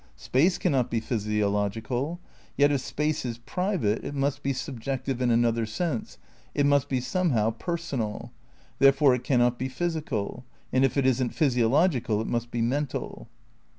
Space cannot be physio logical. Yet if space is private it must be subjective in another sense ; it must be somehow personal. There fore it cannot be physical. And if it isn 't physiological it must be mental.